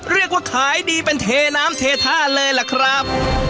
เรียกว่าขายดีเป็นเทน้ำเทท่าเลยล่ะครับ